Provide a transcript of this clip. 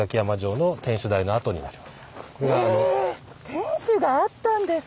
天守があったんですか？